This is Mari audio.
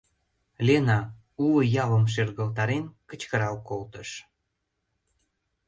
Лена, уло ялым шергылтарен, кычкырал колтыш.